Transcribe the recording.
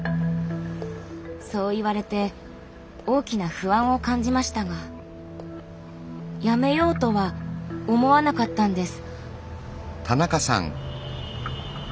そう言われて大きな不安を感じましたがやめようとは思わなかったんです。